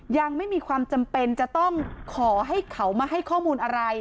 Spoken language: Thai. ยังไม่มีความจำเป็นจะต้องขอให้เขามาให้ข้อมูลอะไร